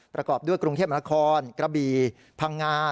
ประกอบด้วยกรุงเทพมนาคอนกระบี่พังงา